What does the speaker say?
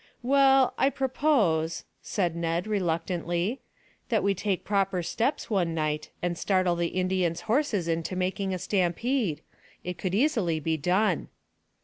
"Well, I propose," said Ned reluctantly, "that we take proper steps one night, and startle the Indians' horses into making a stampede. It could easily be done."